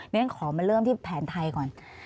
ฉะนั้นขอเริ่มมาที่แผนไทยค่ะ